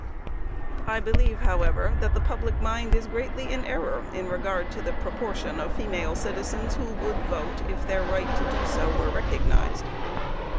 I believe, however, that the public mind is greatly in error in regard to the proportion of female citizens who would vote if their right to do so were recognized.